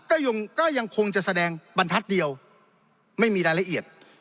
ก็ยังคงจะแสดงบรรทัศน์เดียวไม่มีรายละเอียด